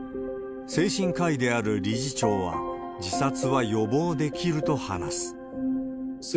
精神科医である理事長は、自殺は予防できると話す。